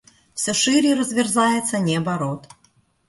Все шире разверзается неба рот.